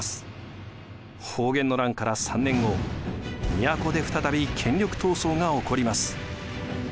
保元の乱から３年後都で再び権力闘争が起こります。